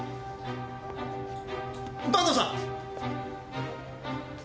坂東さん！